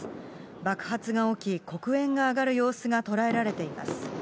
爆発が起き、黒煙が上がる様子が捉えられています。